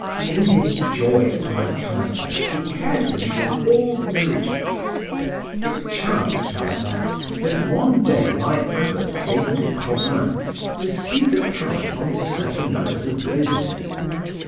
In his joy at my coming he cared for me with all diligence. It chanced, however, that one day my abbot came to Provins to see the count on certain matters of business.